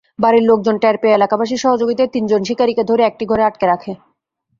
বাড়ির লোকজন টের পেয়ে এলাকাবাসীর সহযোগিতায় তিনজন শিকারিকে ধরে একটি ঘরে আটকে রাখে।